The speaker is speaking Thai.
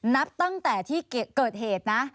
นับตั้งแต่ที่เกิดเหตุนะ